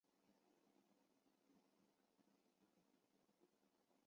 查理拿了克莱尔最爱的花生酱给她。